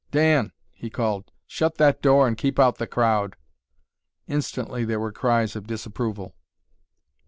"Dan," he called, "shut that door and keep out the crowd!" Instantly there were cries of disapproval.